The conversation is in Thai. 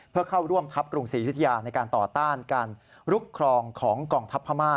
เพื่อเข้าร่วมทัพกรุงศรียุธยาในการต่อต้านการลุกครองของกองทัพพม่า